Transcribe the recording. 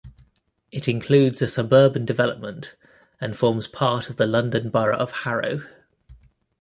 It includes a suburban development and forms part of the London Borough of Harrow.